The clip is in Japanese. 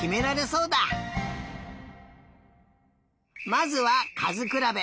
まずはかずくらべ。